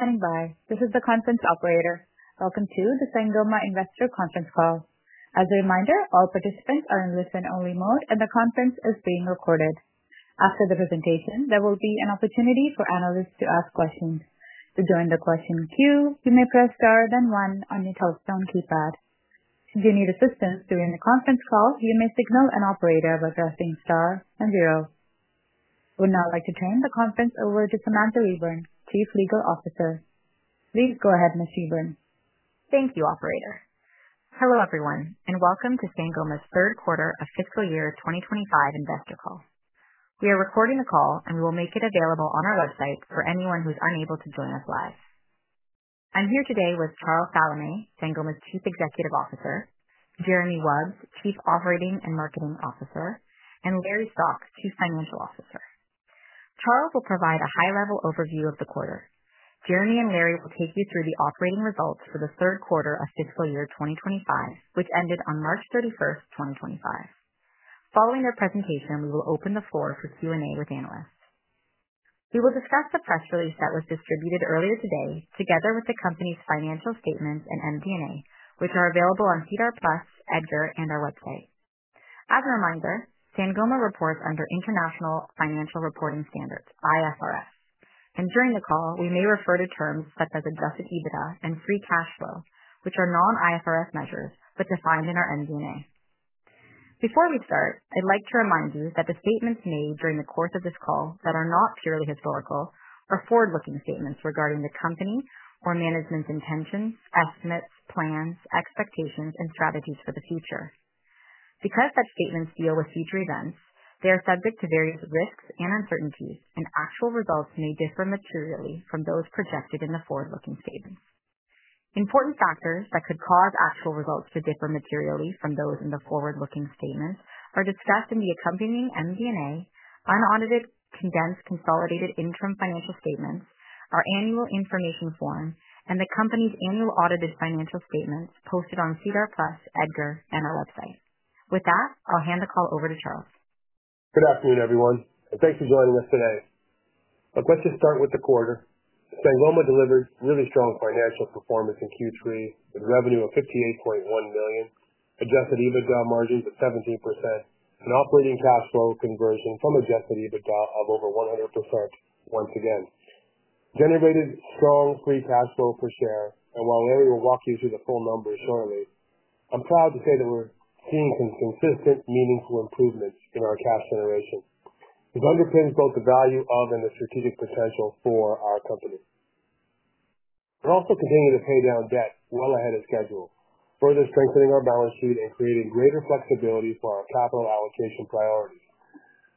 Standing by. This is the conference operator. Welcome to the Sangoma Investor Conference Call. As a reminder, all participants are in listen-only mode, and the conference is being recorded. After the presentation, there will be an opportunity for analysts to ask questions. To join the question queue, you may press star then one on your telephone keypad. Should you need assistance during the conference call, you may signal an operator by pressing star and zero. I would now like to turn the conference over to Samantha Reburn, Chief Legal Officer. Please go ahead, Ms. Reburn. Thank you, Operator. Hello, everyone, and welcome to Sangoma's third quarter of fiscal year 2025 Investor Call. We are recording the call, and we will make it available on our website for anyone who's unable to join us live. I'm here today with Charles Salameh, Sangoma's Chief Executive Officer, Jeremy Wubs, Chief Operating Officer, and Larry Stock, Chief Financial Officer. Charles will provide a high-level overview of the quarter. Jeremy and Larry will take you through the operating results for the third quarter of fiscal year 2025, which ended on March 31, 2025. Following their presentation, we will open the floor for Q&A with analysts. We will discuss the press release that was distributed earlier today, together with the company's financial statements and MD&A, which are available on SEDAR+, EDGAR, and our website. As a reminder, Sangoma reports under International Financial Reporting Standards, IFRS, and during the call, we may refer to terms such as adjusted EBITDA and free cash flow, which are non-IFRS measures but defined in our MD&A. Before we start, I'd like to remind you that the statements made during the course of this call that are not purely historical are forward-looking statements regarding the company or management's intentions, estimates, plans, expectations, and strategies for the future. Because such statements deal with future events, they are subject to various risks and uncertainties, and actual results may differ materially from those projected in the forward-looking statements. Important factors that could cause actual results to differ materially from those in the forward-looking statements are discussed in the accompanying MD&A, unaudited, condensed, consolidated interim financial statements, our annual information form, and the company's annual audited financial statements posted on SEDAR+, EDGAR, and our website. With that, I'll hand the call over to Charles. Good afternoon, everyone, and thanks for joining us today. Let's just start with the quarter. Sangoma delivered really strong financial performance in Q3 with revenue of $58.1 million, adjusted EBITDA margins of 17%, and operating cash flow conversion from adjusted EBITDA of over 100% once again. It generated strong free cash flow per share, and while Larry will walk you through the full numbers shortly, I'm proud to say that we're seeing some consistent, meaningful improvements in our cash generation. This underpins both the value of and the strategic potential for our company. We're also continuing to pay down debt well ahead of schedule, further strengthening our balance sheet and creating greater flexibility for our capital allocation priorities.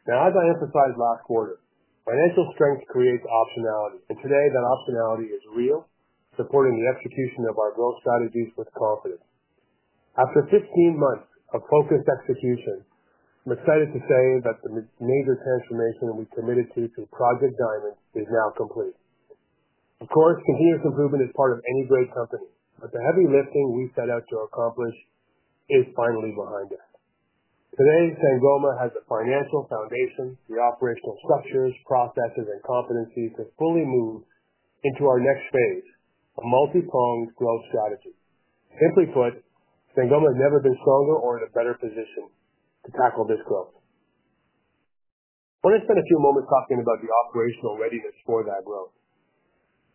Now, as I emphasized last quarter, financial strength creates optionality, and today that optionality is real, supporting the execution of our growth strategies with confidence. After 15 months of focused execution, I'm excited to say that the major transformation we committed to through Project Diamond is now complete. Of course, continuous improvement is part of any great company, but the heavy lifting we set out to accomplish is finally behind us. Today, Sangoma has the financial foundation, the operational structures, processes, and competencies to fully move into our next phase, a multi-pronged growth strategy. Simply put, Sangoma has never been stronger or in a better position to tackle this growth. I want to spend a few moments talking about the operational readiness for that growth.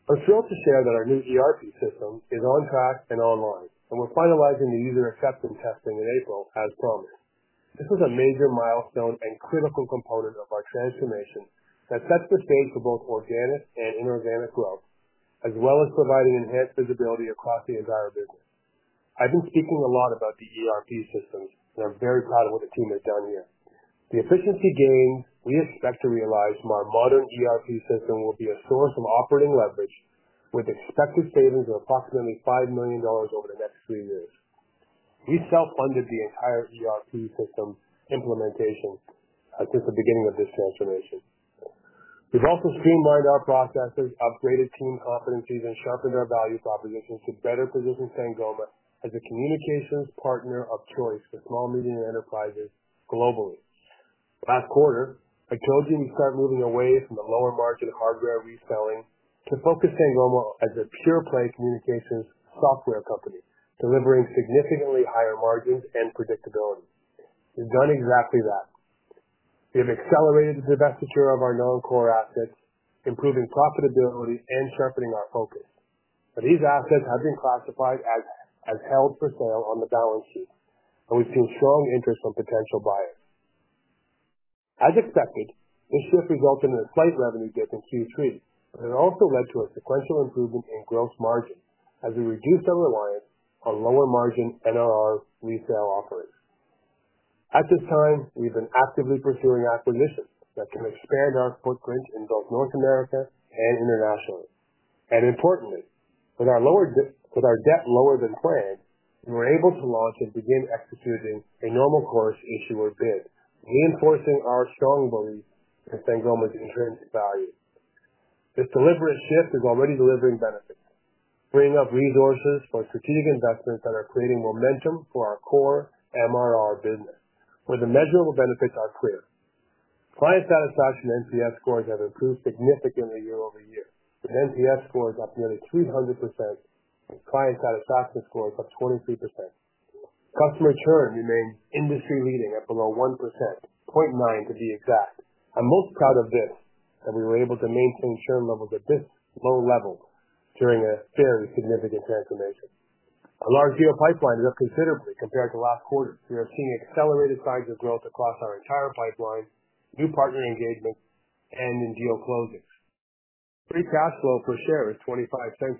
I'm thrilled to share that our new ERP system is on track and online, and we're finalizing the user acceptance testing in April, as promised. This is a major milestone and critical component of our transformation that sets the stage for both organic and inorganic growth, as well as providing enhanced visibility across the entire business. I've been speaking a lot about the ERP systems, and I'm very proud of what the team has done here. The efficiency gains we expect to realize from our modern ERP system will be a source of operating leverage, with expected savings of approximately $5 million over the next three years. We self-funded the entire ERP system implementation since the beginning of this transformation. We've also streamlined our processes, upgraded team competencies, and sharpened our value propositions to better position Sangoma as a communications partner of choice for small, medium enterprises globally. Last quarter, I told you we'd start moving away from the lower-margin hardware reselling to focus Sangoma as a pure-play communications software company, delivering significantly higher margins and predictability. We've done exactly that. We have accelerated the divestiture of our non-core assets, improving profitability and sharpening our focus. These assets have been classified as held for sale on the balance sheet, and we've seen strong interest from potential buyers. As expected, this shift resulted in a slight revenue dip in Q3, but it also led to a sequential improvement in gross margins as we reduced our reliance on lower-margin NRR resale offerings. At this time, we've been actively pursuing acquisitions that can expand our footprint in both North America and internationally. Importantly, with our debt lower than planned, we were able to launch and begin executing a normal course issuer bid, reinforcing our strong belief in Sangoma's intrinsic value. This deliberate shift is already delivering benefits, freeing up resources for strategic investments that are creating momentum for our core MRR business, where the measurable benefits are clear. Client satisfaction and NPS scores have improved significantly year over year, with NPS scores up nearly 300% and client satisfaction scores up 23%. Customer churn remains industry-leading at below 1%, 0.9% to be exact. I'm most proud of this, that we were able to maintain churn levels at this low level during a very significant transformation. Our large deal pipeline is up considerably compared to last quarter. We are seeing accelerated signs of growth across our entire pipeline, new partner engagements, and in deal closings. Free cash flow per share is $0.25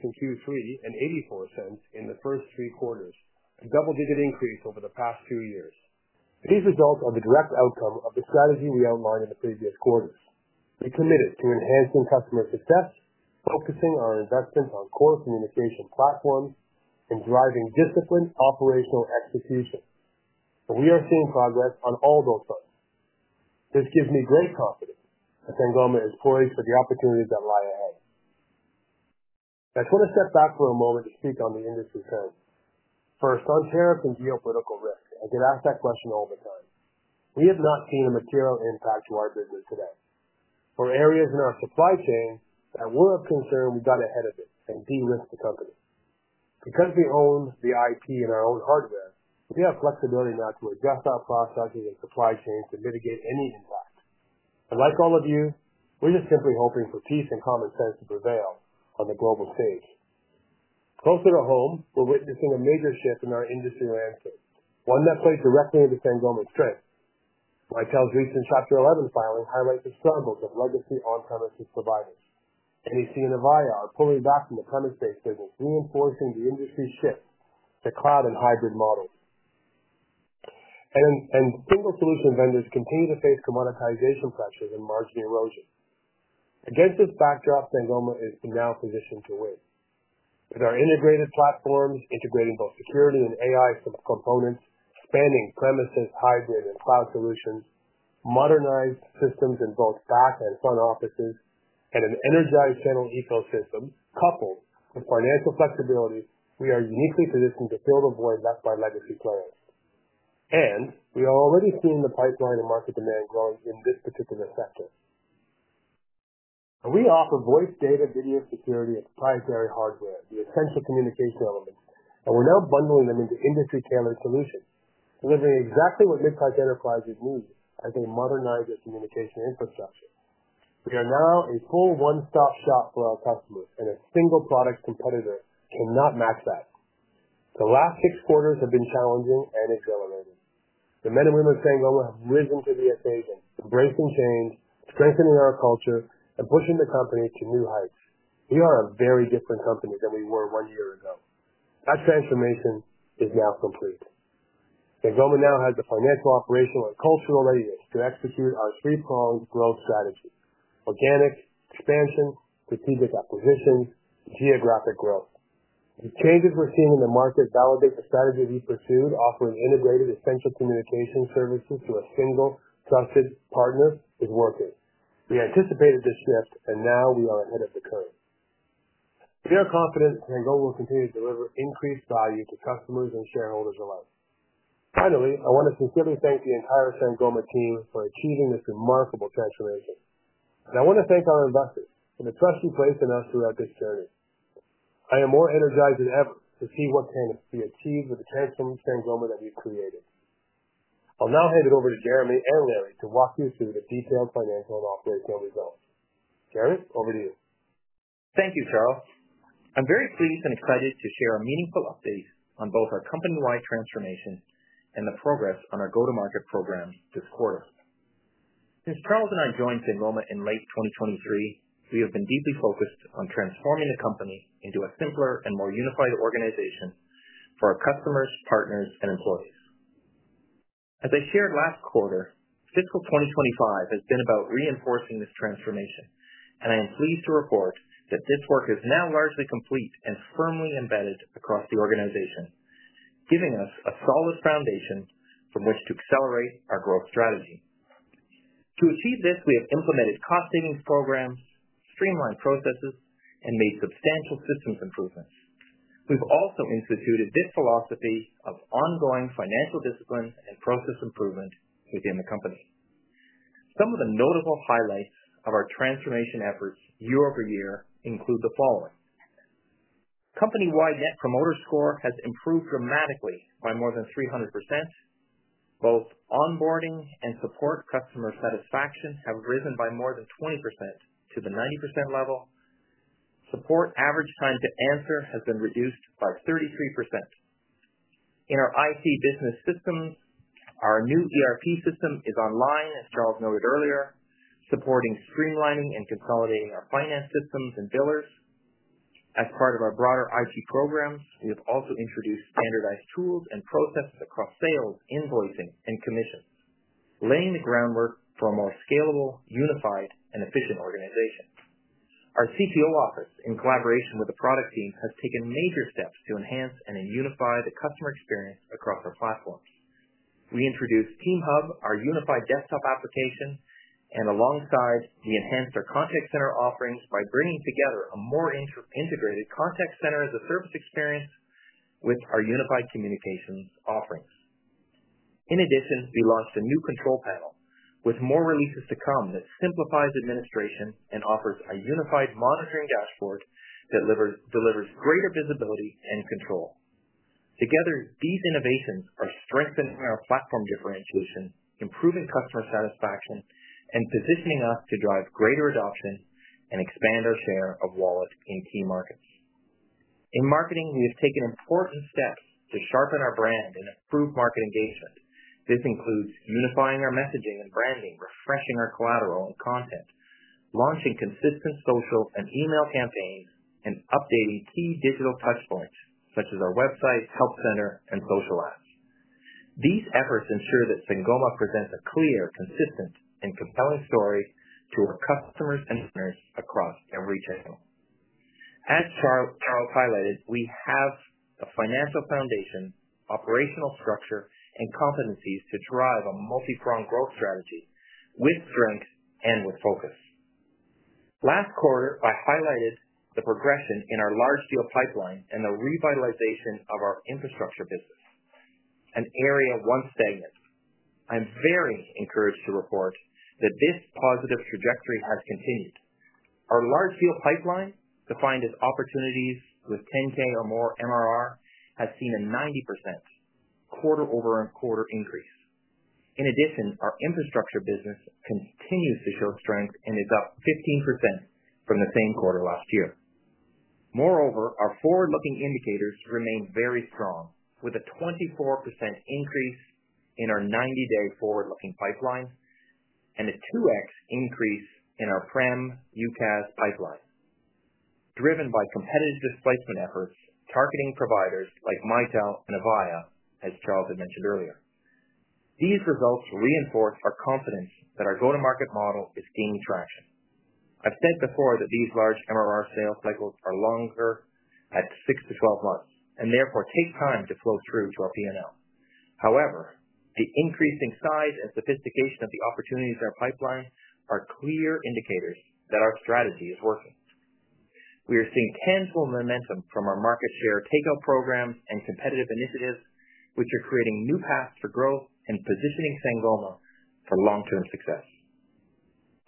in Q3 and $0.84 in the first three quarters, a double-digit increase over the past two years. These results are the direct outcome of the strategy we outlined in the previous quarters. We committed to enhancing customer success, focusing our investments on core communication platforms, and driving disciplined operational execution. We are seeing progress on all those fronts. This gives me great confidence that Sangoma is poised for the opportunities that lie ahead. I just want to step back for a moment to speak on the industry trends. First, on tariffs and geopolitical risk, I get asked that question all the time. We have not seen a material impact to our business today. For areas in our supply chain that were of concern, we got ahead of it and de-risked the company. Because we own the IP and our own hardware, we have flexibility now to adjust our processes and supply chains to mitigate any impact. Like all of you, we're just simply hoping for peace and common sense to prevail on the global stage. Closer to home, we're witnessing a major shift in our industry landscape, one that plays directly into Sangoma's strengths. Mitel's recent Chapter 11 filing highlights the struggles of legacy on-premises providers. NEC and Avaya are pulling back from the premises-based business, reinforcing the industry shift to cloud and hybrid models. Single-solution vendors continue to face commoditization pressures and margin erosion. Against this backdrop, Sangoma is now positioned to win. With our integrated platforms, integrating both security and AI components, spanning premises, hybrid, and cloud solutions, modernized systems in both back and front offices, and an energized channel ecosystem, coupled with financial flexibility, we are uniquely positioned to fill the void left by legacy players. We are already seeing the pipeline and market demand growing in this particular sector. We offer voice, data, video, security, and proprietary hardware, the essential communication elements, and we're now bundling them into industry-tailored solutions, delivering exactly what mid-size enterprises need as a modernized communication infrastructure. We are now a full one-stop shop for our customers, and a single product competitor cannot match that. The last six quarters have been challenging and exhilarating. The men and women of Sangoma have risen to the occasion, embracing change, strengthening our culture, and pushing the company to new heights. We are a very different company than we were one year ago. That transformation is now complete. Sangoma now has the financial, operational, and cultural readiness to execute our three-pronged growth strategy: organic, expansion, strategic acquisitions, and geographic growth. The changes we're seeing in the market validate the strategy we pursued, offering integrated essential communication services to a single, trusted partner. It's working. We anticipated this shift, and now we are ahead of the curve. We are confident Sangoma will continue to deliver increased value to customers and shareholders alike. Finally, I want to sincerely thank the entire Sangoma team for achieving this remarkable transformation. I want to thank our investors for the trust you placed in us throughout this journey. I am more energized than ever to see what can be achieved with the transformed Sangoma that we've created. I'll now hand it over to Jeremy and Larry to walk you through the detailed financial and operational results. Jeremy, over to you. Thank you, Charles. I'm very pleased and excited to share a meaningful update on both our company-wide transformation and the progress on our go-to-market program this quarter. Since Charles and I joined Sangoma in late 2023, we have been deeply focused on transforming the company into a simpler and more unified organization for our customers, partners, and employees. As I shared last quarter, fiscal 2025 has been about reinforcing this transformation, and I am pleased to report that this work is now largely complete and firmly embedded across the organization, giving us a solid foundation from which to accelerate our growth strategy. To achieve this, we have implemented cost-savings programs, streamlined processes, and made substantial systems improvements. We've also instituted this philosophy of ongoing financial discipline and process improvement within the company. Some of the notable highlights of our transformation efforts year over year include the following: Company-wide net promoter score has improved dramatically by more than 300%. Both onboarding and support customer satisfaction have risen by more than 20% to the 90% level. Support average time to answer has been reduced by 33%. In our IT business systems, our new ERP system is online, as Charles noted earlier, supporting streamlining and consolidating our finance systems and billers. As part of our broader IT programs, we have also introduced standardized tools and processes across sales, invoicing, and commissions, laying the groundwork for a more scalable, unified, and efficient organization. Our CTO office, in collaboration with the product team, has taken major steps to enhance and unify the customer experience across our platforms. We introduced TeamHub, our unified desktop application, and alongside, we enhanced our contact center offerings by bringing together a more integrated contact center as a service experience with our unified communications offerings. In addition, we launched a new control panel with more releases to come that simplifies administration and offers a unified monitoring dashboard that delivers greater visibility and control. Together, these innovations are strengthening our platform differentiation, improving customer satisfaction, and positioning us to drive greater adoption and expand our share of wallet in key markets. In marketing, we have taken important steps to sharpen our brand and improve market engagement. This includes unifying our messaging and branding, refreshing our collateral and content, launching consistent social and email campaigns, and updating key digital touchpoints such as our website, help center, and social apps. These efforts ensure that Sangoma presents a clear, consistent, and compelling story to our customers and partners across every channel. As Charles highlighted, we have the financial foundation, operational structure, and competencies to drive a multi-pronged growth strategy with strength and with focus. Last quarter, I highlighted the progression in our large deal pipeline and the revitalization of our infrastructure business, an area once stagnant. I'm very encouraged to report that this positive trajectory has continued. Our large deal pipeline, defined as opportunities with $10,000 or more MRR, has seen a 90% quarter-over-quarter increase. In addition, our infrastructure business continues to show strength and is up 15% from the same quarter last year. Moreover, our forward-looking indicators remain very strong, with a 24% increase in our 90-day forward-looking pipeline and a 2X increase in our prem, UCaaS pipeline, driven by competitive displacement efforts targeting providers like Mitel and Avaya, as Charles had mentioned earlier. These results reinforce our confidence that our go-to-market model is gaining traction. I've said before that these large MRR sales cycles are longer at six-12 months and therefore take time to flow through to our P&L. However, the increasing size and sophistication of the opportunities in our pipeline are clear indicators that our strategy is working. We are seeing tangible momentum from our market share takeout programs and competitive initiatives, which are creating new paths for growth and positioning Sangoma for long-term success.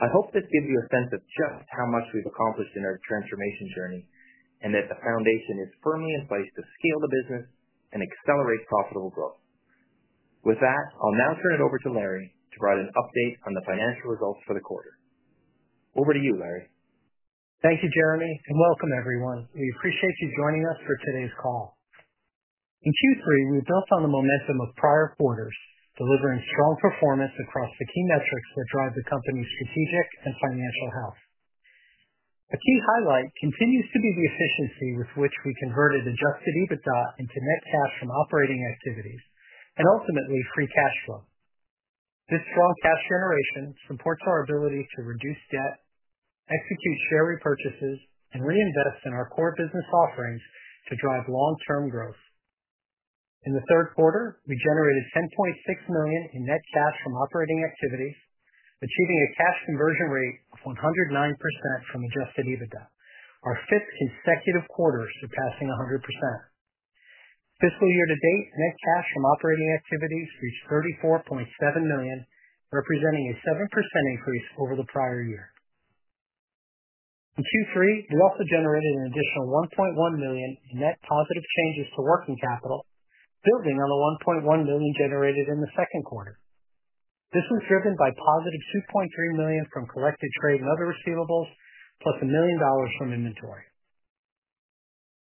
I hope this gives you a sense of just how much we've accomplished in our transformation journey and that the foundation is firmly in place to scale the business and accelerate profitable growth. With that, I'll now turn it over to Larry to provide an update on the financial results for the quarter. Over to you, Larry. Thank you, Jeremy, and welcome, everyone. We appreciate you joining us for today's call. In Q3, we built on the momentum of prior quarters, delivering strong performance across the key metrics that drive the company's strategic and financial health. A key highlight continues to be the efficiency with which we converted adjusted EBITDA into net cash from operating activities and ultimately free cash flow. This strong cash generation supports our ability to reduce debt, execute share repurchases, and reinvest in our core business offerings to drive long-term growth. In the third quarter, we generated $10.6 million in net cash from operating activities, achieving a cash conversion rate of 109% from adjusted EBITDA, our fifth consecutive quarter surpassing 100%. Fiscal year to date, net cash from operating activities reached $34.7 million, representing a 7% increase over the prior year. In Q3, we also generated an additional $1.1 million in net positive changes to working capital, building on the $1.1 million generated in the second quarter. This was driven by positive $2.3 million from collected trade and other receivables, plus $1 million from inventory.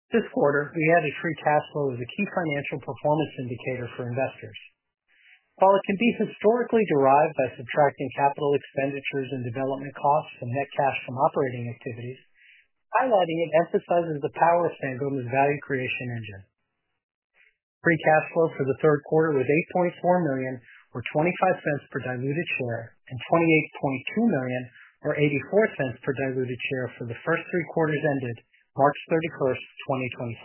This quarter, we added free cash flow as a key financial performance indicator for investors. While it can be historically derived by subtracting capital expenditures and development costs from net cash from operating activities, highlighting it emphasizes the power of Sangoma's value creation engine. Free cash flow for the third quarter was $8.4 million, or $0.25 per diluted share, and $28.2 million, or $0.84 per diluted share, for the first three quarters ended March 31, 2025.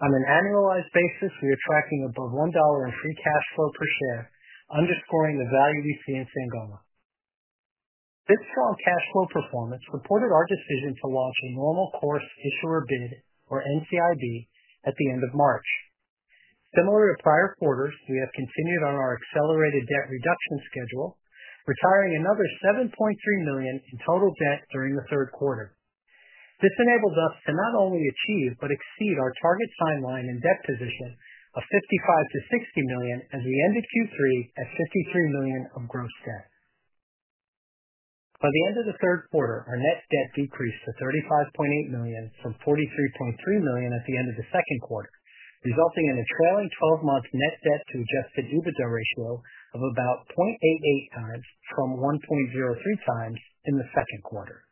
On an annualized basis, we are tracking above $1 in free cash flow per share, underscoring the value we see in Sangoma. This strong cash flow performance supported our decision to launch a normal course issuer bid, or NCIB, at the end of March. Similar to prior quarters, we have continued on our accelerated debt reduction schedule, retiring another $7.3 million in total debt during the third quarter. This enabled us to not only achieve but exceed our target timeline and debt position of $55 million-$60 million as we ended Q3 at $53 million of gross debt. By the end of the third quarter, our net debt decreased to $35.8 million from $43.3 million at the end of the second quarter, resulting in a trailing 12-month net debt to adjusted EBITDA ratio of about 0.88 times from 1.03 times in the second quarter.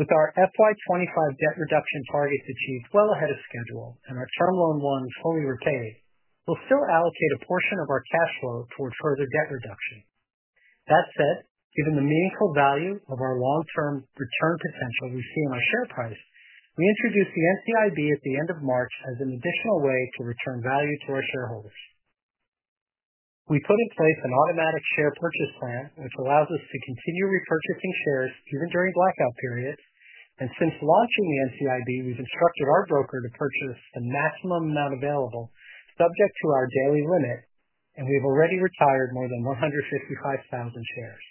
With our FY2025 debt reduction targets achieved well ahead of schedule and our term loan ones fully repaid, we'll still allocate a portion of our cash flow towards further debt reduction. That said, given the meaningful value of our long-term return potential we see in our share price, we introduced the NCIB at the end of March as an additional way to return value to our shareholders. We put in place an automatic share purchase plan, which allows us to continue repurchasing shares even during blackout periods. Since launching the NCIB, we've instructed our broker to purchase the maximum amount available, subject to our daily limit, and we've already retired more than 155,000 shares.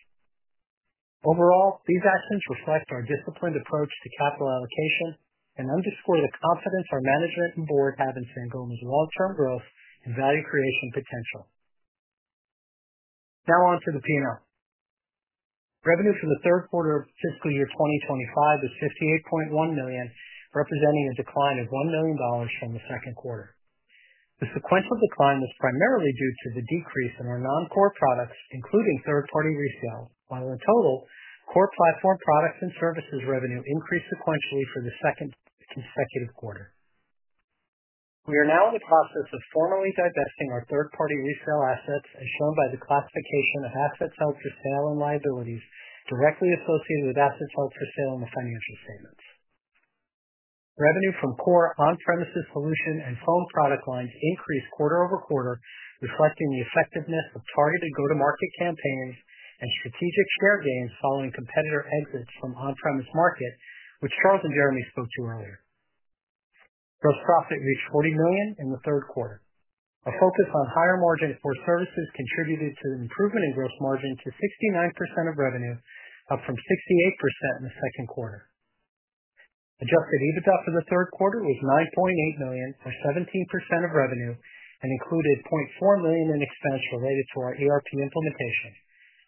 Overall, these actions reflect our disciplined approach to capital allocation and underscore the confidence our management and board have in Sangoma's long-term growth and value creation potential. Now on to the P&L. Revenue for the third quarter of fiscal year 2025 was $58.1 million, representing a decline of $1 million from the second quarter. The sequential decline was primarily due to the decrease in our non-core products, including third-party resales, while the total core platform products and services revenue increased sequentially for the second consecutive quarter. We are now in the process of formally divesting our third-party resale assets, as shown by the classification of assets held for sale and liabilities directly associated with assets held for sale in the financial statements. Revenue from core on-premises solution and phone product lines increased quarter over quarter, reflecting the effectiveness of targeted go-to-market campaigns and strategic share gains following competitor exits from on-premises market, which Charles and Jeremy spoke to earlier. Gross profit reached $40 million in the third quarter. A focus on higher margin for services contributed to the improvement in gross margin to 69% of revenue, up from 68% in the second quarter. Adjusted EBITDA for the third quarter was $9.8 million, or 17% of revenue, and included $0.4 million in expense related to our ERP implementation.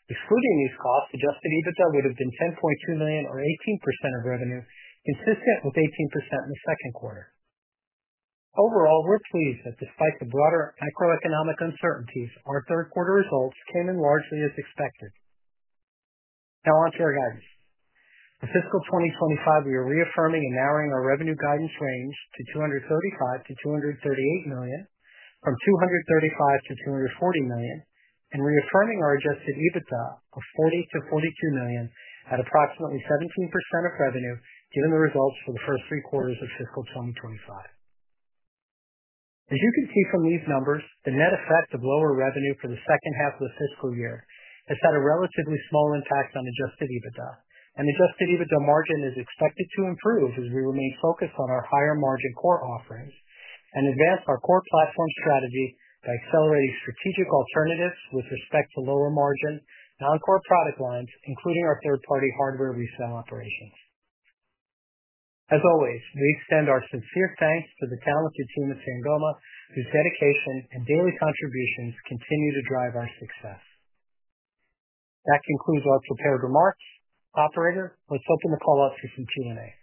Excluding these costs, adjusted EBITDA would have been $10.2 million, or 18% of revenue, consistent with 18% in the second quarter. Overall, we're pleased that despite the broader macroeconomic uncertainties, our third-quarter results came in largely as expected. Now on to our guidance. For fiscal 2025, we are reaffirming and narrowing our revenue guidance range to $235 million-$238 million, from $235 million-$240 million, and reaffirming our adjusted EBITDA of $40 million-$42 million at approximately 17% of revenue, given the results for the first three quarters of fiscal 2025. As you can see from these numbers, the net effect of lower revenue for the second half of the fiscal year has had a relatively small impact on adjusted EBITDA. Adjusted EBITDA margin is expected to improve as we remain focused on our higher-margin core offerings and advance our core platform strategy by accelerating strategic alternatives with respect to lower-margin, non-core product lines, including our third-party hardware resale operations. As always, we extend our sincere thanks to the talented team at Sangoma, whose dedication and daily contributions continue to drive our success. That concludes our prepared remarks. Operator, let's open the call-outs for some Q&A.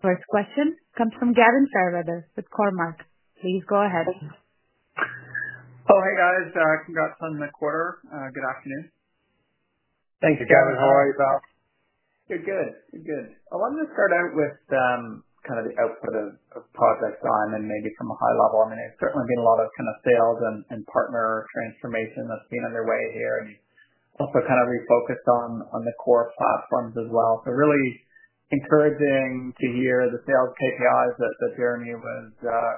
First question comes from Gavin Fairweather with Cormark. Please go ahead. Hello, hey, guys. Congrats on the quarter. Good afternoon. Thank you, Gavin. How are you, Gavin? Good, good. I wanted to start out with kind of the output of Project Diamond and maybe from a high level. I mean, there's certainly been a lot of kind of sales and partner transformation that's been underway here, and also kind of refocused on the core platforms as well. Really encouraging to hear the sales KPIs that Jeremy was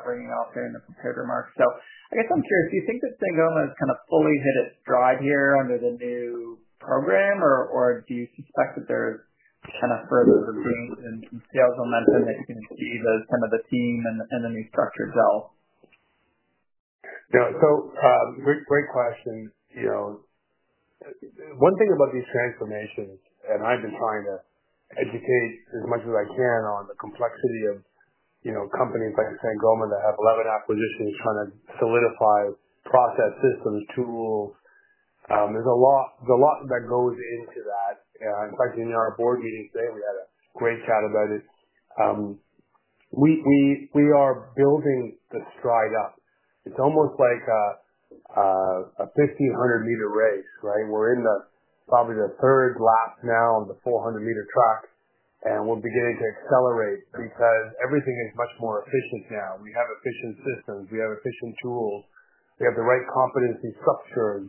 bringing out there in the prepared remarks. I guess I'm curious, do you think that Sangoma has kind of fully hit its drive here under the new program, or do you suspect that there's kind of further growth in sales momentum that you can see kind of the team and the new structure itself? Yeah, so great question. One thing about these transformations, and I've been trying to educate as much as I can on the complexity of companies like Sangoma that have 11 acquisitions trying to solidify process systems, tools. There's a lot that goes into that. In fact, in our board meeting today, we had a great chat about it. We are building the stride up. It's almost like a 1,500-meter race, right? We're in probably the third lap now on the 400-meter track, and we'll be getting to accelerate because everything is much more efficient now. We have efficient systems. We have efficient tools. We have the right competency structures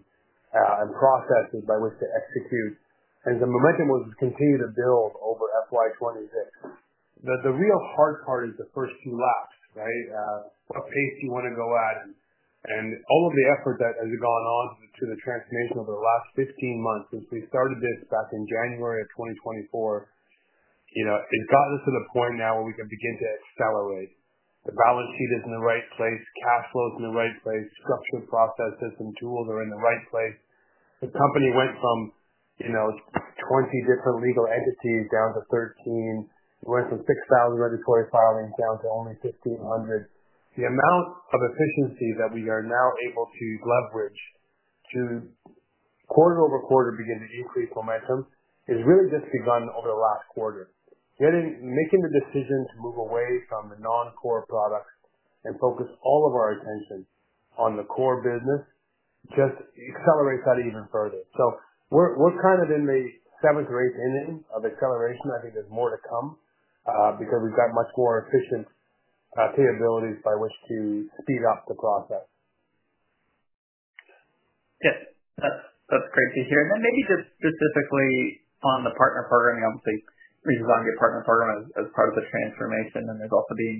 and processes by which to execute. The momentum will continue to build over FY2026. The real hard part is the first two laps, right? What pace do you want to go at? All of the effort that has gone on to the transformation over the last 15 months since we started this back in January of 2024, it has gotten us to the point now where we can begin to accelerate. The balance sheet is in the right place. Cash flow is in the right place. Structured processes and tools are in the right place. The company went from 20 different legal entities down to 13. We went from 6,000 regulatory filings down to only 1,500. The amount of efficiency that we are now able to leverage to quarter over quarter begin to increase momentum has really just begun over the last quarter. Making the decision to move away from the non-core products and focus all of our attention on the core business just accelerates that even further. We are kind of in the seventh or eighth inning of acceleration. I think there's more to come because we've got much more efficient capabilities by which to speed up the process. Yes, that's great to hear. Maybe just specifically on the partner program, obviously, we've gone to your partner program as part of the transformation, and there's also been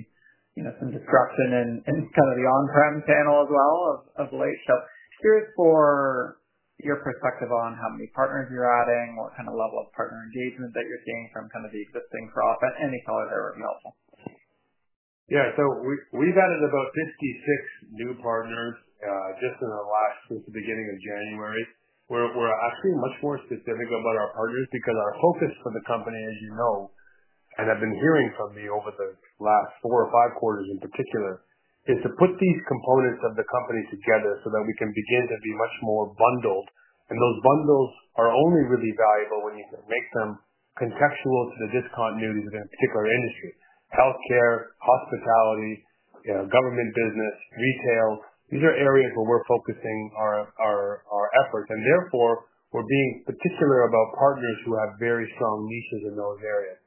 some disruption in kind of the on-prem panel as well of late. Curious for your perspective on how many partners you're adding, what kind of level of partner engagement that you're seeing from kind of the existing crop, and any color there would be helpful. Yeah, so we've added about 56 new partners just in the beginning of January. We're actually much more specific about our partners because our focus for the company, as you know, and you've been hearing from me over the last four or five quarters in particular, is to put these components of the company together so that we can begin to be much more bundled. Those bundles are only really valuable when you can make them contextual to the discontinuities of a particular industry: healthcare, hospitality, government business, retail. These are areas where we're focusing our efforts. Therefore, we're being particular about partners who have very strong niches in those areas.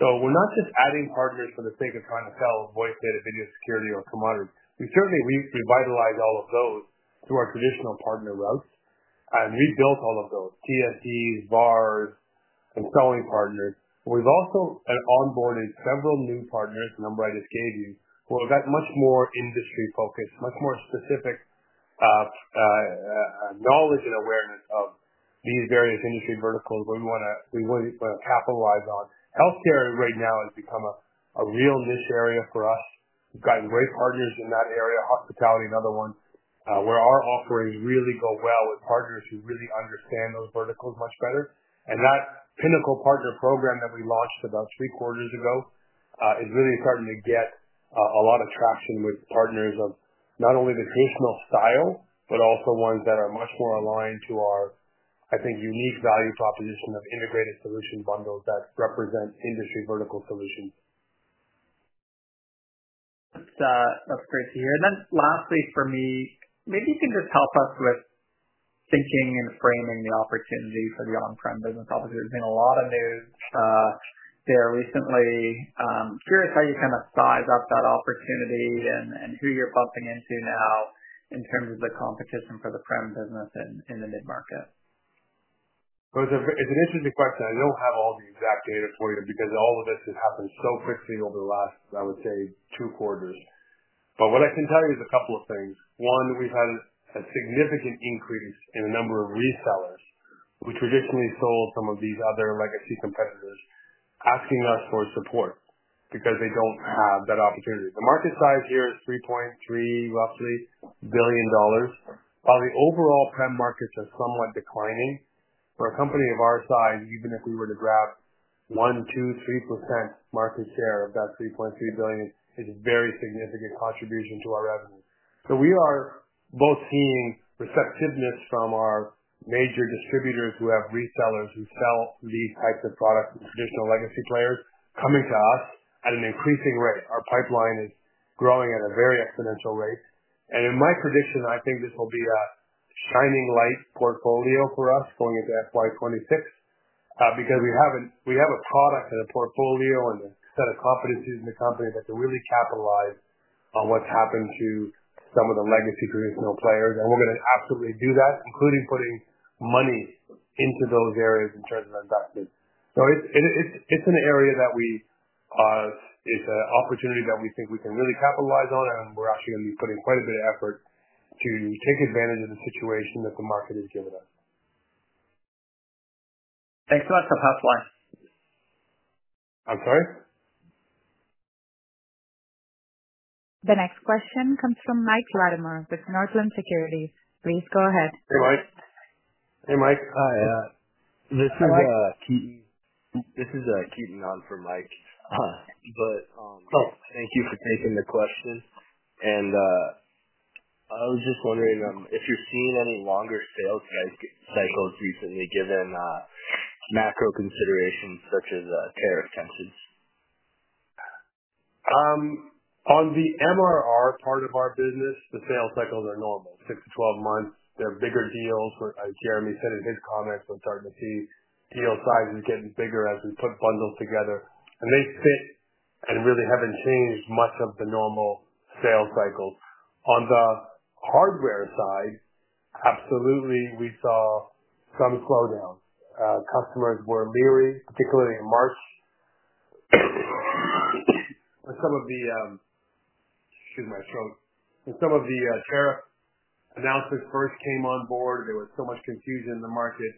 We're not just adding partners for the sake of trying to sell voice, data, video, security, or commodities. We certainly revitalize all of those through our traditional partner routes, and we have built all of those: TSDs, VARs, and selling partners. We have also onboarded several new partners, the number I just gave you, who have got much more industry focus, much more specific knowledge and awareness of these various industry verticals where we want to capitalize on. Healthcare right now has become a real niche area for us. We have gotten great partners in that area. Hospitality, another one, where our offerings really go well with partners who really understand those verticals much better. That Pinnacle Partner Program that we launched about three quarters ago is really starting to get a lot of traction with partners of not only the traditional style, but also ones that are much more aligned to our, I think, unique value proposition of integrated solution bundles that represent industry vertical solutions. That's great to hear. Lastly, for me, maybe you can just help us with thinking and framing the opportunity for the on-prem business. Obviously, there's been a lot of news there recently. Curious how you kind of size up that opportunity and who you're bumping into now in terms of the competition for the prem business in the mid-market. It's an interesting question. I don't have all the exact data for you because all of this has happened so quickly over the last, I would say, two quarters. What I can tell you is a couple of things. One, we've had a significant increase in the number of resellers, who traditionally sold some of these other legacy competitors, asking us for support because they don't have that opportunity. The market size here is roughly $3.3 billion, while the overall prem markets are somewhat declining. For a company of our size, even if we were to grab 1%, 2%, 3% market share of that $3.3 billion, it's a very significant contribution to our revenue. We are both seeing receptiveness from our major distributors who have resellers who sell these types of products and traditional legacy players coming to us at an increasing rate. Our pipeline is growing at a very exponential rate. In my prediction, I think this will be a shining light portfolio for us going into FY2026 because we have a product and a portfolio and a set of competencies in the company that can really capitalize on what has happened to some of the legacy traditional players. We are going to absolutely do that, including putting money into those areas in terms of investment. It is an area that we—it is an opportunity that we think we can really capitalize on, and we are actually going to be putting quite a bit of effort to take advantage of the situation that the market has given us. Thanks so much for passing by. I'm sorry? The next question comes from Mike Latimore with Northland Securities. Please go ahead. Hey, Mike. Hey, Mike. Hi. This is Keaton. This is Keaton on for Mike. Thank you for taking the question. I was just wondering if you're seeing any longer sales cycles recently, given macro considerations such as tariff tensions? On the MRR part of our business, the sales cycles are normal, six-12 months. They're bigger deals. As Jeremy said in his comments, we're starting to see deal sizes getting bigger as we put bundles together. They fit and really haven't changed much of the normal sales cycle. On the hardware side, absolutely, we saw some slowdowns. Customers were leery, particularly in March. Some of the—excuse my throat—some of the tariff announcements first came on board. There was so much confusion in the market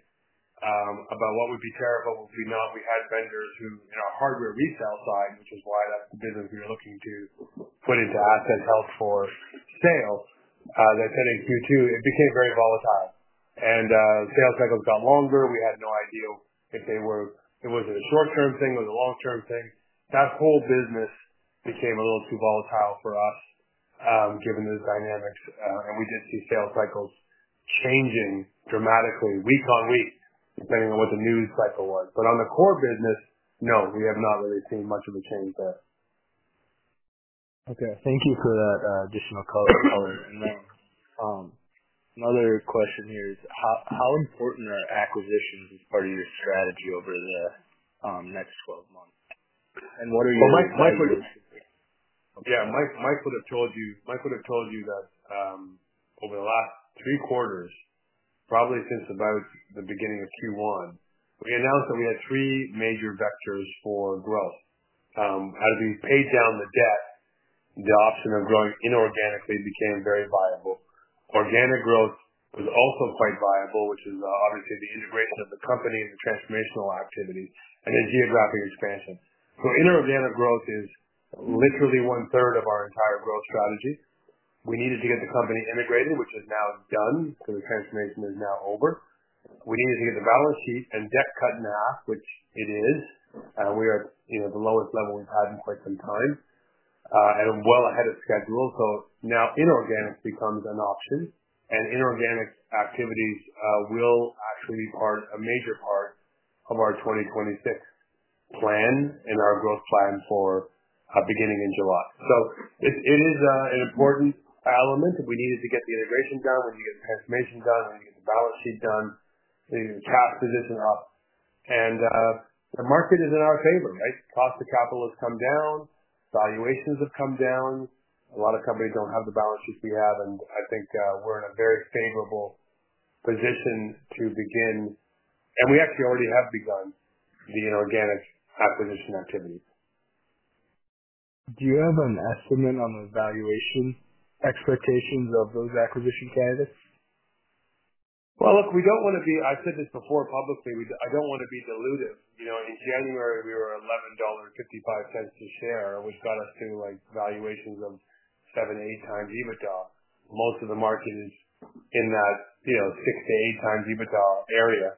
about what would be tariff, what would be not. We had vendors who in our hardware resale side, which is why that's the business we were looking to put into assets held for sales, that said in Q2, it became very volatile. Sales cycles got longer. We had no idea if it was a short-term thing or a long-term thing. That whole business became a little too volatile for us, given the dynamics. We did see sales cycles changing dramatically week on week, depending on what the news cycle was. On the core business, no, we have not really seen much of a change there. Okay. Thank you for that additional color. Another question here is, how important are acquisitions as part of your strategy over the next 12 months? What are your— Yeah, Mike would have told you—Mike would have told you that over the last three quarters, probably since about the beginning of Q1, we announced that we had three major vectors for growth. As we paid down the debt, the option of growing inorganically became very viable. Organic growth was also quite viable, which is obviously the integration of the company and the transformational activity and then geographic expansion. Inorganic growth is literally one-third of our entire growth strategy. We needed to get the company integrated, which is now done, because the transformation is now over. We needed to get the balance sheet and debt cut in half, which it is. We are at the lowest level we've had in quite some time and well ahead of schedule. Now inorganic becomes an option. Inorganic activities will actually be a major part of our 2026 plan and our growth plan for beginning in July. It is an important element. We needed to get the integration done. We need to get the transformation done. We need to get the balance sheet done. We need to get the tax position up. The market is in our favor, right? Cost of capital has come down. Valuations have come down. A lot of companies do not have the balance sheets we have. I think we are in a very favorable position to begin. We actually already have begun the inorganic acquisition activity. Do you have an estimate on the valuation expectations of those acquisition candidates? Look, we do not want to be—I have said this before publicly—I do not want to be deluded. In January, we were $11.55 a share, which got us to valuations of seven-eight times EBITDA. Most of the market is in that six-eight times EBITDA area,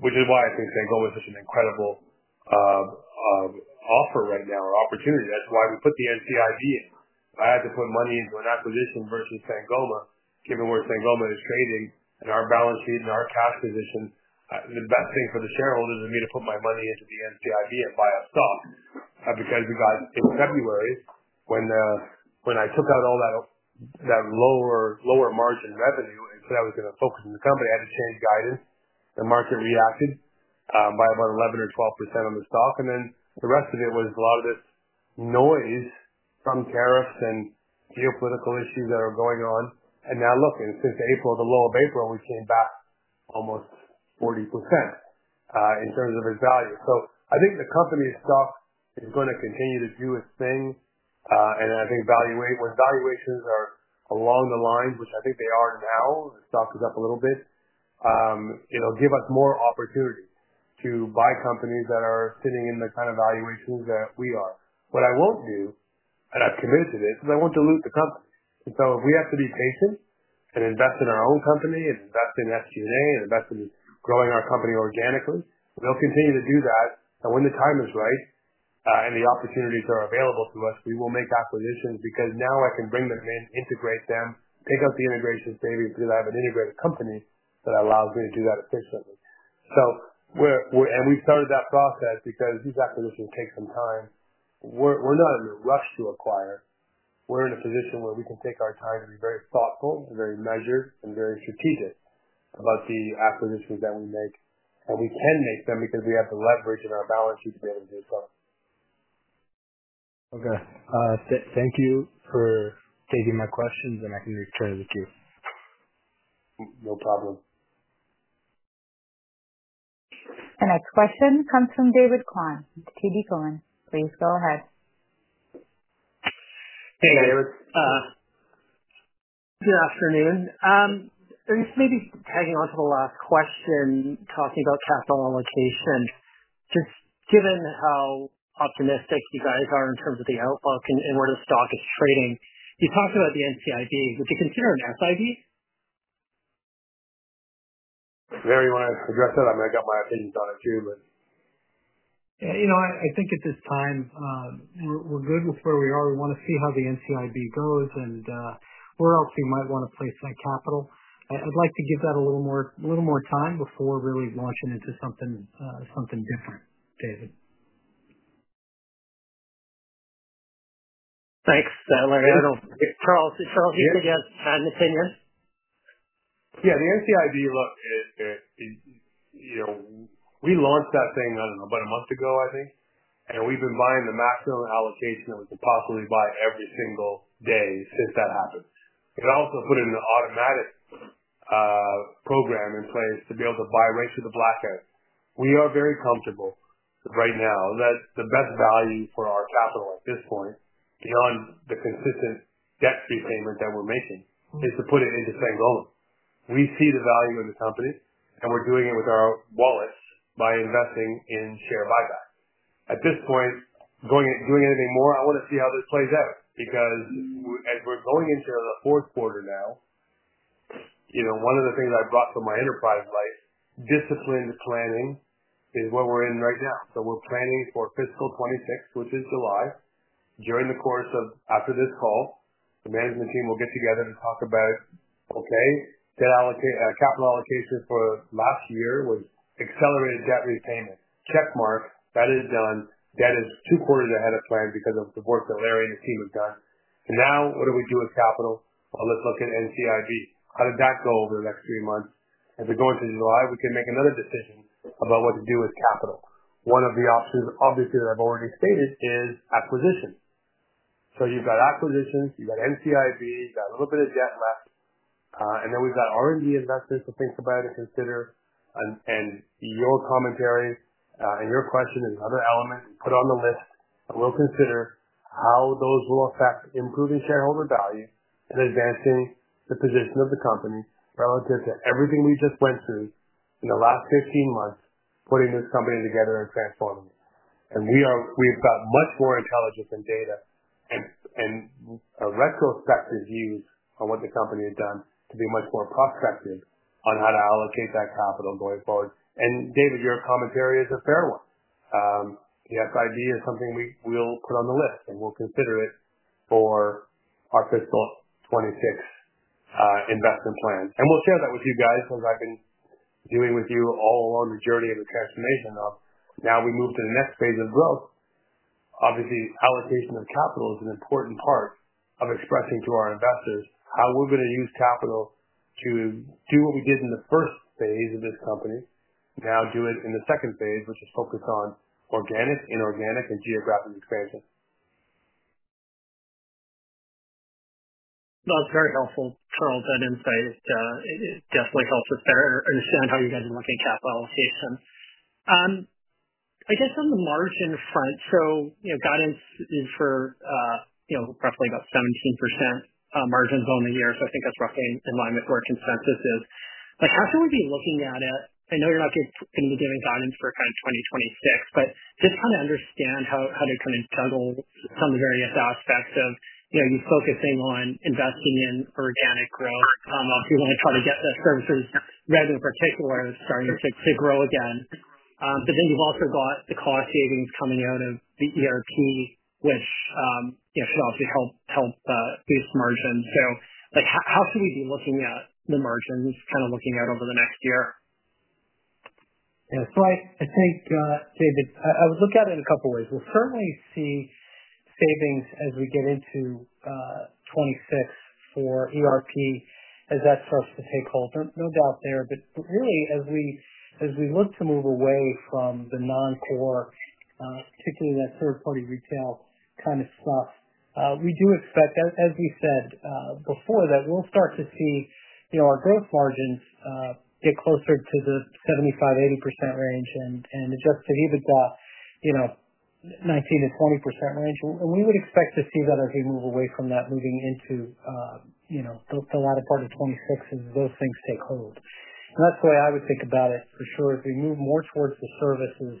which is why I think Sangoma is such an incredible offer right now or opportunity. That is why we put the NCIB in. If I had to put money into an acquisition versus Sangoma, given where Sangoma is trading and our balance sheet and our cash position, the best thing for the shareholders would be to put my money into the NCIB and buy a stock because we got—in February, when I took out all that lower margin revenue and said I was going to focus on the company, I had to change guidance. The market reacted by about 11% or 12% on the stock. The rest of it was a lot of this noise from tariffs and geopolitical issues that are going on. Now, look, since April, the low of April, we came back almost 40% in terms of its value. I think the company's stock is going to continue to do its thing. I think when valuations are along the lines, which I think they are now, the stock is up a little bit, it'll give us more opportunity to buy companies that are sitting in the kind of valuations that we are. What I won't do, and I've committed to this, is I won't dilute the company. If we have to be patient and invest in our own company and invest in SG&A and invest in growing our company organically, we'll continue to do that. When the time is right and the opportunities are available to us, we will make acquisitions because now I can bring them in, integrate them, take out the integration savings because I have an integrated company that allows me to do that efficiently. We have started that process because these acquisitions take some time. We are not in a rush to acquire. We are in a position where we can take our time to be very thoughtful and very measured and very strategic about the acquisitions that we make. We can make them because we have the leverage in our balance sheet to be able to do so. Okay. Thank you for taking my questions, and I can return it to you. No problem. The next question comes from David Kwan, TD Cowen. Please go ahead. Hey, David. Good afternoon. Maybe tagging on to the last question, talking about capital allocation, just given how optimistic you guys are in terms of the outlook and where the stock is trading, you talked about the NCIB. Would you consider an SIB? If you want to address that, I'm going to get my opinions on it too. Yeah. I think at this time, we're good with where we are. We want to see how the NCIB goes and where else we might want to place that capital. I'd like to give that a little more time before really launching into something different, David. Thanks. Charles, did you have an opinion? Yeah. The NCIB, look, we launched that thing, I don't know, about a month ago, I think. And we've been buying the maximum allocation that we can possibly buy every single day since that happened. It also put an automatic program in place to be able to buy right through the blackout. We are very comfortable right now that the best value for our capital at this point, beyond the consistent debt repayment that we're making, is to put it into Sangoma. We see the value in the company, and we're doing it with our wallets by investing in share buybacks. At this point, doing anything more, I want to see how this plays out because as we're going into the fourth quarter now, one of the things I brought from my enterprise life, disciplined planning, is what we're in right now. We're planning for fiscal 2026, which is July. During the course of after this call, the management team will get together to talk about, "Okay, capital allocation for last year was accelerated debt repayment. Check mark. That is done. Debt is two quarters ahead of plan because of the work that Larry and his team have done. Now, what do we do with capital? Let's look at NCIB. How did that go over the next three months? As we go into July, we can make another decision about what to do with capital." One of the options, obviously, that I've already stated is acquisition. You've got acquisitions. You've got NCIB. You've got a little bit of debt left. Then we've got R&D investments to think about and consider. Your commentary and your question is another element to put on the list. We will consider how those will affect improving shareholder value and advancing the position of the company relative to everything we just went through in the last 15 months, putting this company together and transforming it. We have much more intelligence and data and retrospective views on what the company has done to be much more prospective on how to allocate that capital going forward. David, your commentary is a fair one. The NCIB is something we will put on the list, and we will consider it for our fiscal 2026 investment plan. We will share that with you guys as I have been doing with you all along the journey of the transformation of now we move to the next phase of growth. Obviously, allocation of capital is an important part of expressing to our investors how we're going to use capital to do what we did in the first phase of this company, now do it in the second phase, which is focused on organic, inorganic, and geographic expansion. That was very helpful, Charles, that insight. It definitely helps us better understand how you guys are looking at capital allocation. I guess on the margin front, guidance is for roughly about 17% margins on the year. I think that's roughly in line with where consensus is. How should we be looking at it? I know you're not going to be giving guidance for kind of 2026, but just trying to understand how to kind of juggle some of the various aspects of you focusing on investing in organic growth if you want to try to get the services revenue in particular starting to grow again. Then you've also got the cost savings coming out of the ERP, which should obviously help boost margins. How should we be looking at the margins, kind of looking out over the next year? Yeah. I think, David, I would look at it in a couple of ways. We'll certainly see savings as we get into 2026 for ERP as that starts to take hold. No doubt there. Really, as we look to move away from the non-core, particularly that third-party retail kind of stuff, we do expect, as we said before, that we'll start to see our gross margins get closer to the 75-80% range and adjusted EBITDA 19-20% range. We would expect to see that as we move away from that, moving into the latter part of 2026 as those things take hold. That's the way I would think about it for sure, as we move more towards the services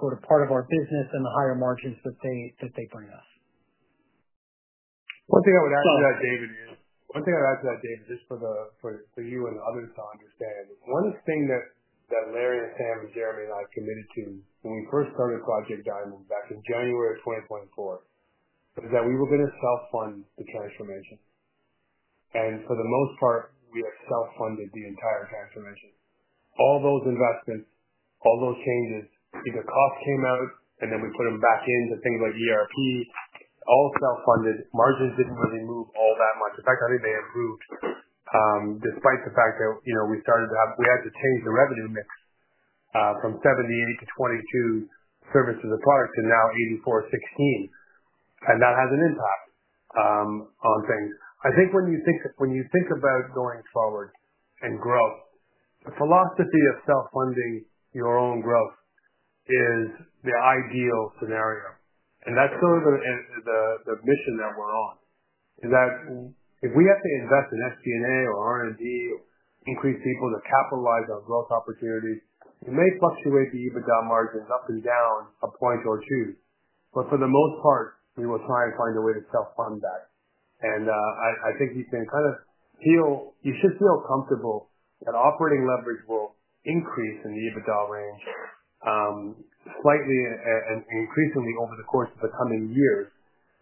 sort of part of our business and the higher margins that they bring us. One thing I would add to that, David, just for you and others to understand, one thing that Larry and Sam and Jeremy and I committed to when we first started Project Diamond back in January of 2024 was that we were going to self-fund the transformation. For the most part, we have self-funded the entire transformation. All those investments, all those changes, either cost came out, and then we put them back into things like ERP, all self-funded. Margins did not really move all that much. In fact, I think they improved despite the fact that we had to change the revenue mix from 78-22 services and products to now 84-16. That has an impact on things. I think when you think about going forward and growth, the philosophy of self-funding your own growth is the ideal scenario. That is sort of the mission that we're on, is that if we have to invest in SG&A or R&D, increase people to capitalize on growth opportunities, we may fluctuate the EBITDA margins up and down a point or two. For the most part, we will try and find a way to self-fund that. I think you can kind of feel you should feel comfortable that operating leverage will increase in the EBITDA range slightly and increasingly over the course of the coming years.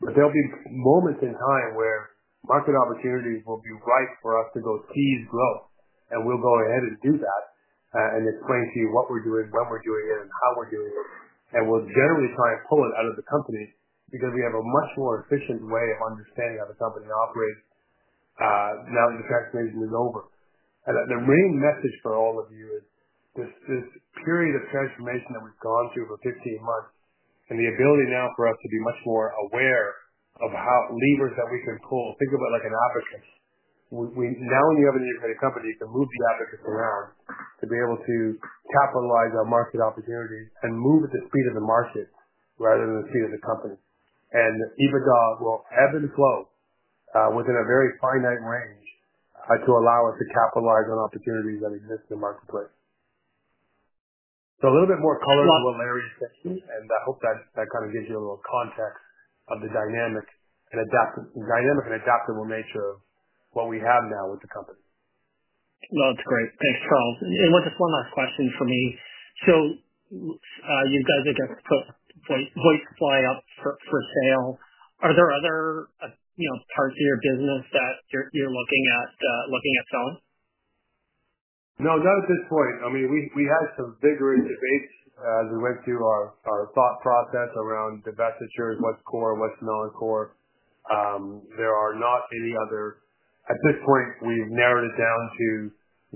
There will be moments in time where market opportunities will be ripe for us to go seize growth. We will go ahead and do that and explain to you what we're doing, when we're doing it, and how we're doing it. We will generally try and pull it out of the company because we have a much more efficient way of understanding how the company operates now that the transformation is over. The main message for all of you is this period of transformation that we have gone through for 15 months and the ability now for us to be much more aware of how levers that we can pull. Think of it like an abacus. Now when you have an inorganic company, you can move the abacus around to be able to capitalize on market opportunities and move at the speed of the market rather than the speed of the company. EBITDA will ebb and flow within a very finite range to allow us to capitalize on opportunities that exist in the marketplace. A little bit more color to what Larry is saying. I hope that kind of gives you a little context of the dynamic and adaptable nature of what we have now with the company. No, that's great. Thanks, Charles. Just one last question for me. You guys have just put VoIP Supply up for sale. Are there other parts of your business that you're looking at selling? No, not at this point. I mean, we had some vigorous debates as we went through our thought process around divestiture, what's core, what's non-core. There are not any other at this point, we've narrowed it down to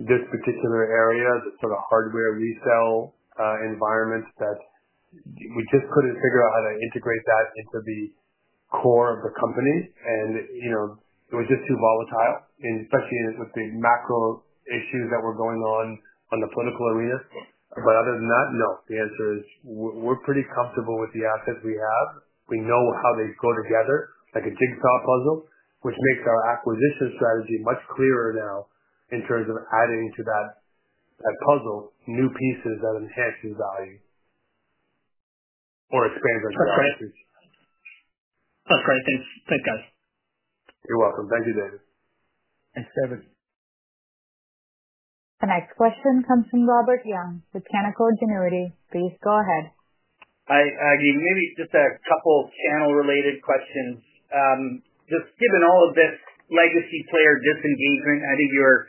this particular area, the sort of hardware resale environment that we just could not figure out how to integrate that into the core of the company. It was just too volatile, especially with the macro issues that were going on on the political arena. Other than that, no, the answer is we're pretty comfortable with the assets we have. We know how they go together, like a jigsaw puzzle, which makes our acquisition strategy much clearer now in terms of adding to that puzzle new pieces that enhance the value or expand our strategy. That's great. Thank you, guys. You're welcome. Thank you, David. Thanks, David. The next question comes from Robert Young, Scotiabank. Please go ahead. Hi, Aggie. Maybe just a couple of channel-related questions. Just given all of this legacy player disengagement, I think you're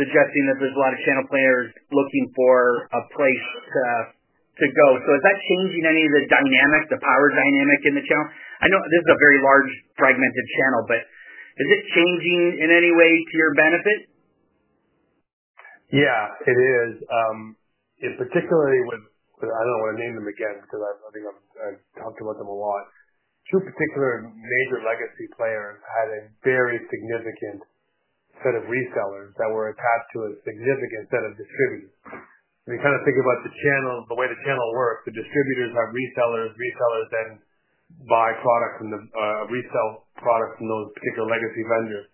suggesting that there's a lot of channel players looking for a place to go. Is that changing any of the dynamic, the power dynamic in the channel? I know this is a very large fragmented channel, but is it changing in any way to your benefit? Yeah, it is. Particularly with I don't want to name them again because I think I've talked about them a lot. Two particular major legacy players had a very significant set of resellers that were attached to a significant set of distributors. When you kind of think about the way the channel works, the distributors have resellers, resellers then buy products and resell products from those particular legacy vendors.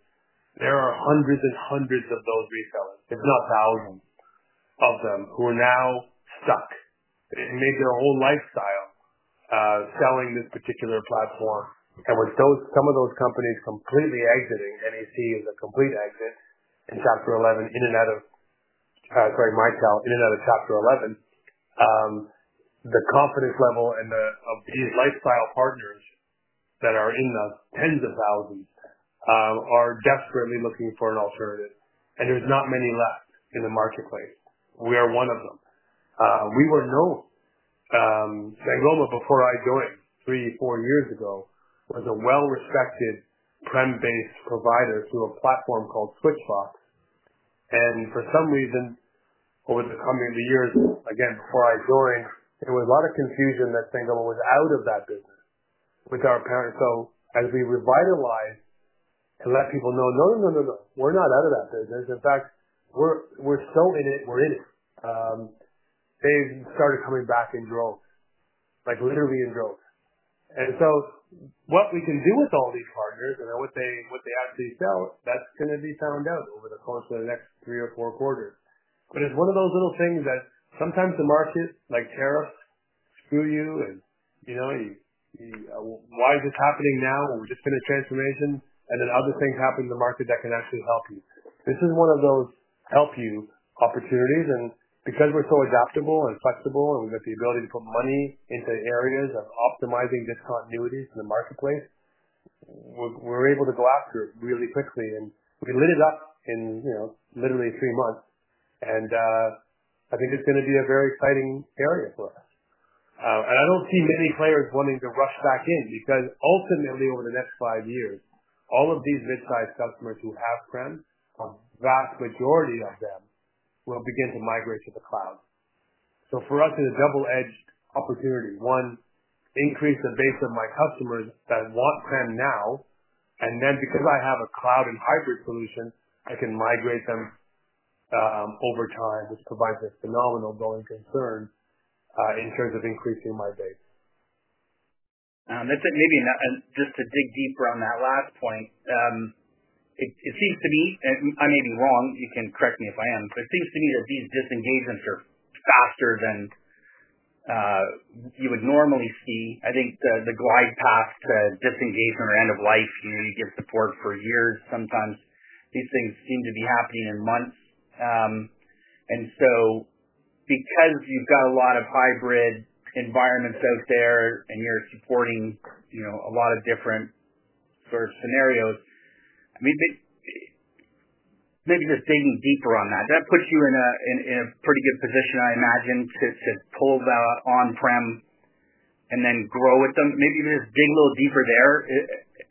There are hundreds and hundreds of those resellers, if not thousands of them, who are now stuck. They made their whole lifestyle selling this particular platform. With some of those companies completely exiting, NEC is a complete exit, and Mitel in and out of chapter 11. The confidence level of these lifestyle partners that are in the tens of thousands are desperately looking for an alternative. There are not many left in the marketplace. We are one of them. We were known. Sangoma, before I joined, three, four years ago, was a well-respected prem-based provider through a platform called Switchvox. For some reason, over the coming years, again, before I joined, there was a lot of confusion that Sangoma was out of that business with our parent. As we revitalized and let people know, "No, no, no, no, no, we're not out of that business. In fact, we're still in it. We're in it." They started coming back in droves, literally in droves. What we can do with all these partners and what they actually sell, that's going to be found out over the course of the next three or four quarters. It is one of those little things that sometimes the market, like tariffs, screw you. Why is this happening now? We're just in a transformation. Then other things happen in the market that can actually help you. This is one of those help you opportunities. Because we're so adaptable and flexible and we've got the ability to put money into areas of optimizing discontinuities in the marketplace, we're able to go after it really quickly. We lit it up in literally three months. I think it's going to be a very exciting area for us. I don't see many players wanting to rush back in because ultimately, over the next five years, all of these mid-sized customers who have prem, a vast majority of them, will begin to migrate to the cloud. For us, it's a double-edged opportunity. One, increase the base of my customers that want prem now. Because I have a cloud and hybrid solution, I can migrate them over time, which provides a phenomenal growing concern in terms of increasing my base. Maybe just to dig deeper on that last point, it seems to me I may be wrong. You can correct me if I am. It seems to me that these disengagements are faster than you would normally see. I think the glide path to disengagement or end of life, you give support for years. Sometimes these things seem to be happening in months. Because you've got a lot of hybrid environments out there and you're supporting a lot of different sort of scenarios, maybe just digging deeper on that, does that put you in a pretty good position, I imagine, to pull that on-prem and then grow with them? Maybe even just dig a little deeper there.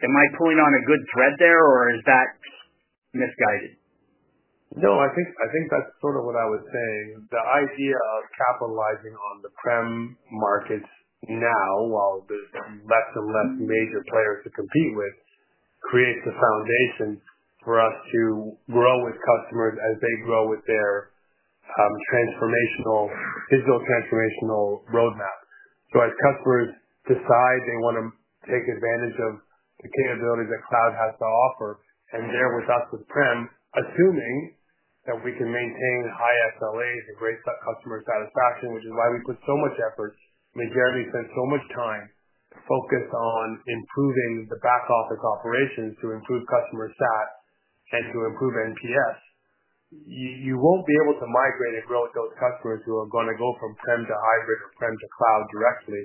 Am I pulling on a good thread there, or is that misguided? No, I think that's sort of what I was saying. The idea of capitalizing on the prem markets now, while there's less and less major players to compete with, creates the foundation for us to grow with customers as they grow with their digital transformational roadmap. As customers decide they want to take advantage of the capabilities that cloud has to offer and bear with us with prem, assuming that we can maintain high SLAs and great customer satisfaction, which is why we put so much effort. I mean, Jeremy spent so much time focused on improving the back office operations to improve customer sat and to improve NPS. You won't be able to migrate and grow with those customers who are going to go from prem to hybrid or prem to cloud directly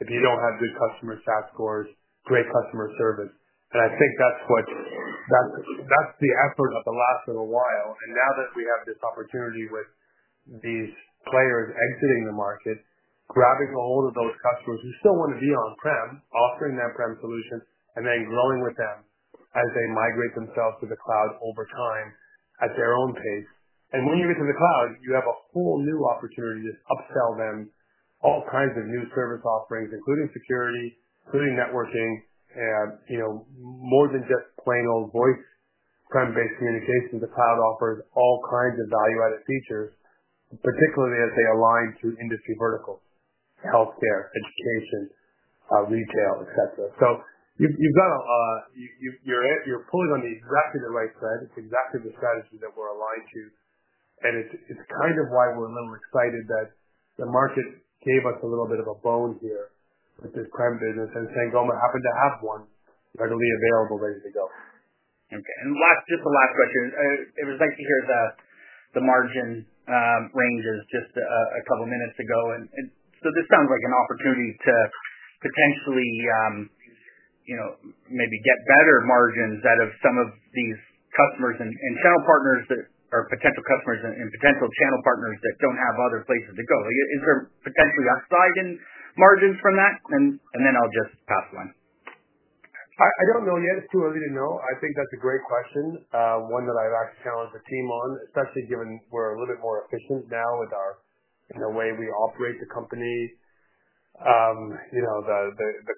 if you don't have good customer sat scores, great customer service. I think that's the effort of the last little while. Now that we have this opportunity with these players exiting the market, grabbing a hold of those customers who still want to be on prem, offering that prem solution, and then growing with them as they migrate themselves to the cloud over time at their own pace. When you get to the cloud, you have a whole new opportunity to upsell them all kinds of new service offerings, including security, including networking, more than just plain old voice prem-based communications. The cloud offers all kinds of value-added features, particularly as they align to industry verticals: healthcare, education, retail, etc. You're pulling on exactly the right thread. It's exactly the strategy that we're aligned to. It's kind of why we're a little excited that the market gave us a little bit of a bone here with this prem business. Sangoma happened to have one readily available ready to go. Okay. Just the last question. It was nice to hear the margin ranges just a couple of minutes ago. This sounds like an opportunity to potentially maybe get better margins out of some of these customers and channel partners that are potential customers and potential channel partners that do not have other places to go. Is there potentially upside in margins from that? I'll just pass the line. I don't know yet. It's too early to know. I think that's a great question, one that I've actually challenged the team on, especially given we're a little bit more efficient now with the way we operate the company. The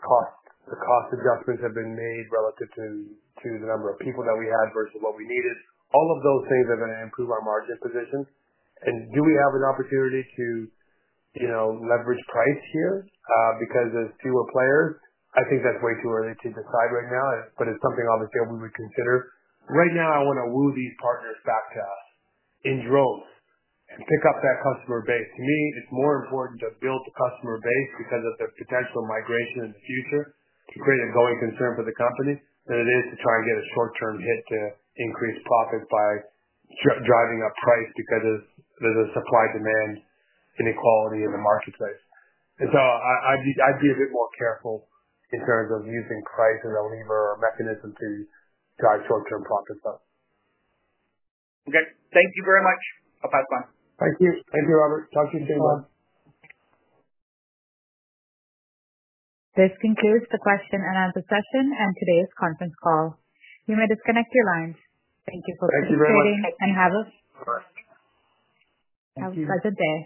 cost adjustments have been made relative to the number of people that we had versus what we needed. All of those things are going to improve our margin position. Do we have an opportunity to leverage price here? Because there's fewer players. I think that's way too early to decide right now. It's something obviously we would consider. Right now, I want to woo these partners back to us in droves and pick up that customer base. To me, it's more important to build the customer base because of their potential migration in the future to create a going concern for the company than it is to try and get a short-term hit to increase profits by driving up price because of the supply-demand inequality in the marketplace. I would be a bit more careful in terms of using price as a lever or a mechanism to drive short-term profits up. Okay. Thank you very much. Bye-bye for now. Thank you. Thank you, Robert. Talk to you soon, bud. This concludes the question and answer session and today's conference call. You may disconnect your lines. Thank you for participating. Thank you very much. Have a— Thank you. Have a pleasant day.